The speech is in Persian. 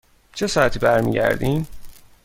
چه ساعتی برمی گردیم؟